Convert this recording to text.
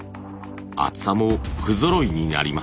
厚さも不ぞろいになります。